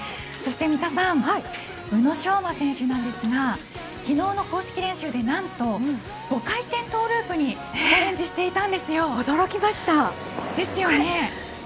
そして、三田さん宇野昌磨選手なんですが昨日の公式練習で何と５回転トゥループにチャレンジしていたんですよ。ですよね。